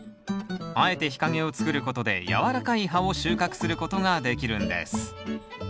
あえて日陰を作ることでやわらかい葉を収穫することができるんです。